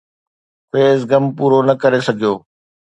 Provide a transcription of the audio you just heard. فيض غم پورو نه ڪري سگهيو